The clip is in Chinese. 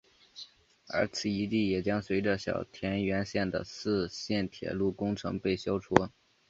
而此遗迹也将随着小田原线的四线铁路工程被消除。